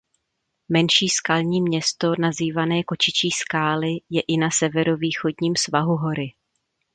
Menší skalní město nazývané Kočičí skály je i na severovýchodním svahu hory.